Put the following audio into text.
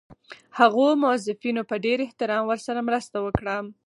هغو موظفینو په ډېر احترام ورسره مرسته وکړه.